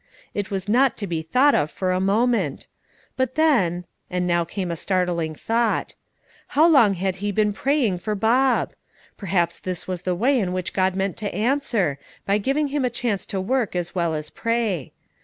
It was not to be thought of for a moment. But then and now came a startling thought. How long he had been praying for Bob! Perhaps this was the way in which God meant to answer, by giving him a chance to work as well as pray.